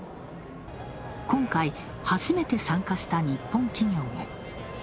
今回、初めて参加した日本企業も。